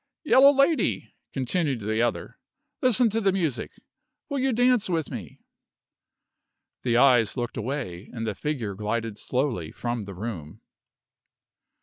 "Yellow Lady," continued the other, "listen to the music. Will you dance with me?" The eyes looked away, and the figure glided slowly from the room.